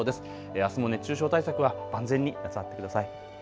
あすも熱中症対策は万全になさってください。